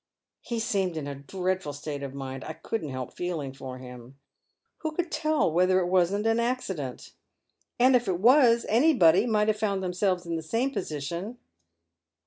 He seemed in a dreadful state of mind. I couldn't help feeling for him. Who could tell whether it wasn't accident ? and, if it was, anybody might have foimd themselves in the same position."